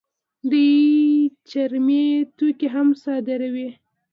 دوی چرمي توکي هم صادروي.